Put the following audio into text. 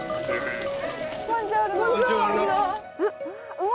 うわ！